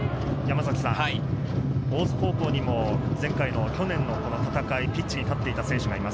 大津高校にも前回の去年の戦い、ピッチに立っていた選手がいます